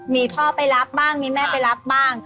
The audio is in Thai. มีพ่อไปรับบ้างมีแม่ไปรับบ้าง